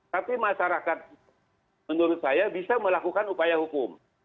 tapi masyarakat menurut saya bisa melakukan upaya hukum